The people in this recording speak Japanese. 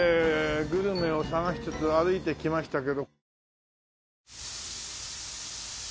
グルメを探しつつ歩いてきましたけど。